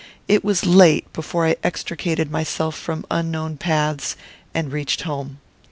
It was late before I extricated myself from unknown paths, and reached home.